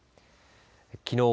きのう